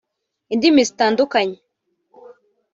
indimi zitandukanye